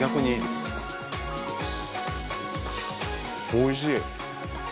おいしい。